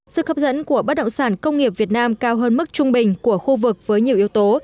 sức hấp dẫn của bất động sản công nghiệp việt nam cao hơn mức trung bình của khu vực với nhiều yếu tố